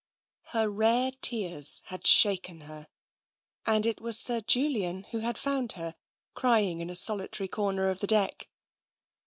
Her rare tears had shaken her, and it was Sir Julian who had found her, crying in a solitary comer of the deck.